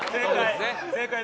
正解。